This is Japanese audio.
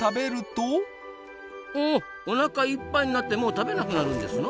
おなかいっぱいになってもう食べなくなるんですな。